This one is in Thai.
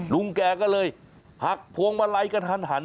ลุงแกก็เลยหักพวงมาลัยกระทันหัน